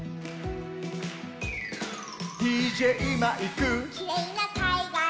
「ＤＪマイク」「きれいなかいがら」